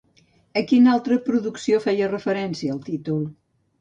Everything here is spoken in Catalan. A quina altra producció feia referència el títol?